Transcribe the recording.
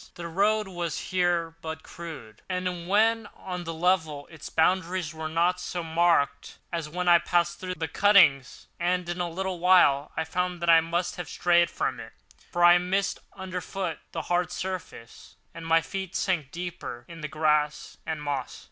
The road was here but crude, and when on the level its boundaries were not so marked, as when it passed through the cuttings; and in a little while I found that I must have strayed from it, for I missed underfoot the hard surface, and my feet sank deeper in the grass and moss.